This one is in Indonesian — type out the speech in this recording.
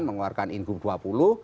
mengeluarkan ingu dua puluh